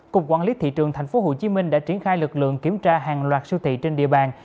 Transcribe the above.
cục quản lý thị trường tp hcm đã triển khai lực lượng kiểm tra hàng loạt siêu thị trên địa bàn